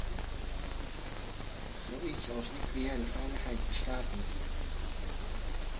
Zoiets als nucleaire veiligheid bestaat niet.